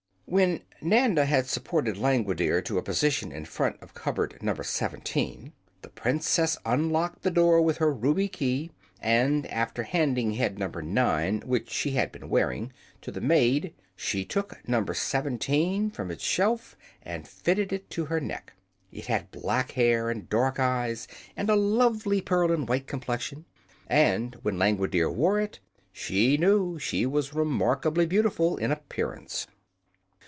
When Nanda had supported Langwidere to a position in front of cupboard No. 17, the Princess unlocked the door with her ruby key and after handing head No. 9, which she had been wearing, to the maid, she took No. 17 from its shelf and fitted it to her neck. It had black hair and dark eyes and a lovely pearl and white complexion, and when Langwidere wore it she knew she was remarkably beautiful in appearance.